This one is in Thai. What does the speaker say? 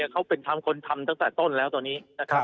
เขาเป็นคนทำตั้งแต่ต้นแล้วตอนนี้นะครับ